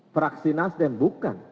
praksinas dan bukan